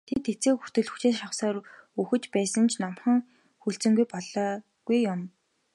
Тэд эцсээ хүртэл хүчээ шавхсаар үхэж байсан ч номхон хүлцэнгүй болоогүй юм.